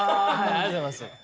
ありがとうございます。